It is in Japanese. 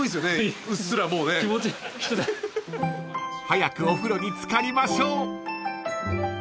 ［早くお風呂に漬かりましょう］